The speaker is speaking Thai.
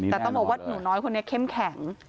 แต่ต้องบอกว่าหนูน้อยคนนี้เข้มแข็ง